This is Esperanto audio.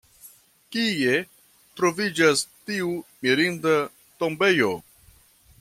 Kie troviĝas tiu mirinda tombejo?